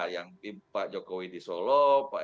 yang pak jokowi di solo